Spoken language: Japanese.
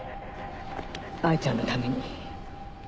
藍ちゃんのために。